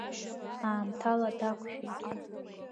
Аамҭала дақәшәеит.